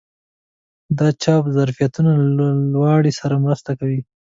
دا چاره د ظرفیتونو له لوړاوي سره مرسته کوي.